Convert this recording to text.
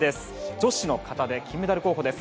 女子の方で金メダル候補です